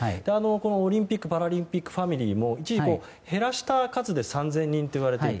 オリンピック・パラリンピックファミリーも一時、減らした数で３０００人といわれていた。